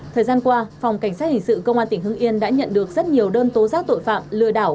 thời gian qua phòng cảnh sát hình sự công an tỉnh hưng yên đã nhận được rất nhiều đơn tố giác tội phạm lừa đảo